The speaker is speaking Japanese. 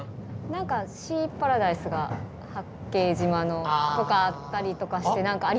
何かシーパラダイスが八景島のとかあったりとかして何かありそう。